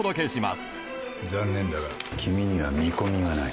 「残念だが君には見込みがない。